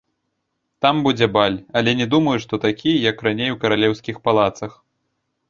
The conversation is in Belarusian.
Там будзе баль, але не думаю, што такі, як раней у каралеўскіх палацах.